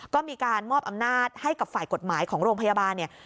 ก็มีการมอบอำนาจให้กับฝ่ายกฎหมายของโรงพยาบาลเนี่ย